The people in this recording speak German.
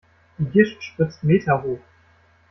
Die Gischt spritzt meterhoch.